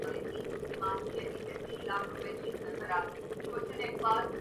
گزشتہ سال اسی دن اور تاریخ کو ایک نا قابل فراموش واقعہ رونما ھوا